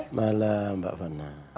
selamat malam mbak rivana